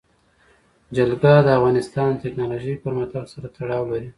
جلګه د افغانستان د تکنالوژۍ پرمختګ سره تړاو لري.